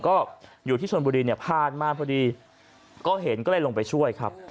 ก็อยู่ที่ชนบุรีเนี่ยผ่านมาพอดีก็เห็นก็เลยลงไปช่วยครับ